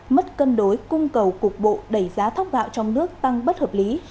mất cân đối cung cầu cục bộ đẩy giá thóc gạo trong nước tăng bất hợp lý